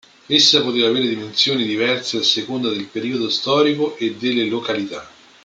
Essa poteva avere dimensioni diverse a seconda del periodo storico e delle località.